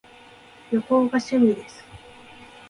旅行が趣味です